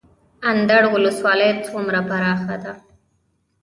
اندړ ولسوالۍ څومره پراخه ده؟